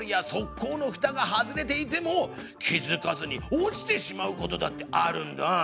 こうのふたが外れていても気づかずに落ちてしまう事だってあるんだ。